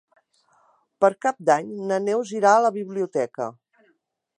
Per Cap d'Any na Neus irà a la biblioteca.